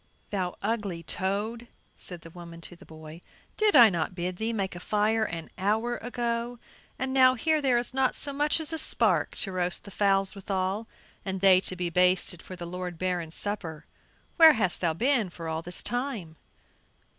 "Thou ugly toad," said the woman to the boy, "did I not bid thee make a fire an hour ago? and now, here there is not so much as a spark to roast the fowls withall, and they to be basted for the lord Baron's supper. Where hast thou been for all this time?"